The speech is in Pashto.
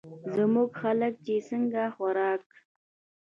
زمونږ خلک چې څنګه خوراک